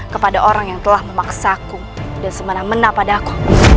kepada orang yang telah memaksaku dan semena mena padaku